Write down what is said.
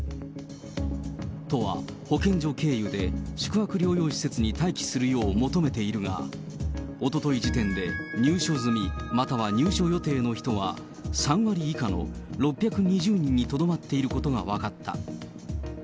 都は保健所経由で宿泊療養施設に待機するよう求めているが、おととい時点で入所済み、または入所予定の人は３割以下の６２０人にとどまっていることが分かった。